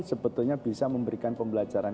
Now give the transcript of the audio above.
sebetulnya bisa memberikan pembelajaran